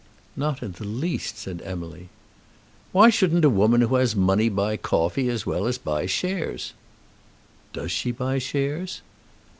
"Not in the least," said Emily. "Why shouldn't a woman who has money buy coffee as well as buy shares?" "Does she buy shares?"